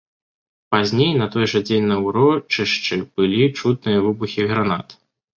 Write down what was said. Пазней, у той жа дзень на ўрочышчы былі чутныя выбухі гранат.